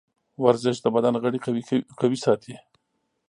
ورزش د بدن غړي قوي ساتي.